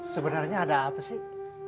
sebenarnya ada apa sih